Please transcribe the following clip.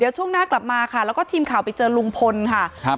ช่วงหน้ากลับมาค่ะแล้วก็ทีมข่าวไปเจอลุงพลค่ะครับ